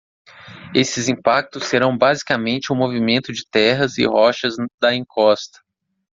Esses impactos serão basicamente o movimento de terras e rochas da encosta.